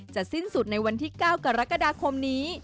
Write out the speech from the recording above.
สิ้นสุดในวันที่๙กรกฎาคมนี้